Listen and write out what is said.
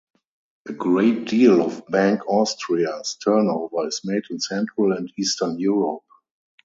A great deal of Bank Austria's turnover is made in central and eastern Europe.